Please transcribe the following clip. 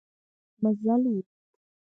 مزل و.